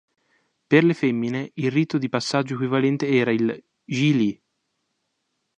Per le femmine il rito di passaggio equivalente era il "Ji Li".